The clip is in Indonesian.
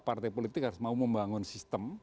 partai politik harus mau membangun sistem